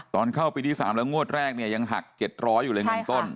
ตอนเข้าปีที่๓แล้วงวดแรกเนี่ยยังหัก๗๐๐อยู่เลย๑ต้น